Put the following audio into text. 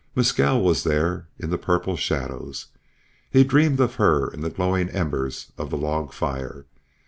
Mescal was there in the purple shadows. He dreamed of her in the glowing embers of the log fire.